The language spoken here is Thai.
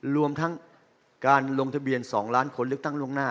รวมทั้งการลงทะเบียน๒ล้านคนเลือกตั้งล่วงหน้า